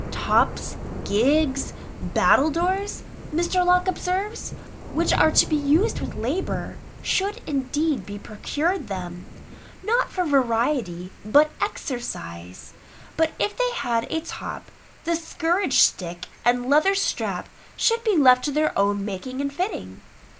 "Tops, gigs, battledores," Mr. Locke observes, "which are to be used with labour, should indeed be procured them not for variety, but exercise; but if they had a top, the scourge stick and leather strap should be left to their own making and fitting."